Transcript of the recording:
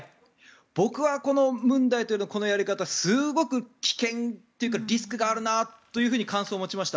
僕は文大統領のこのやり方すごく危険というかリスクがあるなという感想を持ちました。